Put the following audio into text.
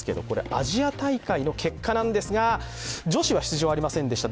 アジア大会の結果なんですが、女子は出場ありませんでした。